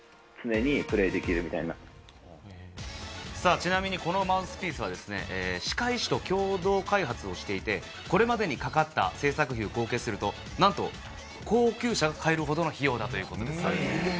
ちなみにこのマウスピースは歯科医師と共同開発をしていて、これまでにかかった製作費用を合計すると、なんと高級車が買えるほどの費用だということです。